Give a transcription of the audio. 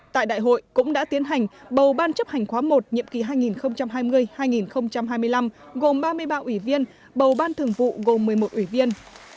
tại đại hội cũng đã tiến hành bầu ban chấp hành khóa i nhiệm kỳ hai nghìn hai mươi hai nghìn hai mươi năm gồm ba mươi ba ủy viên bầu ban thường vụ gồm một mươi một ủy viên